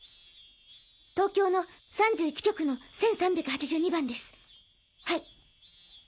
東京の３１局の１３８２番ですはい。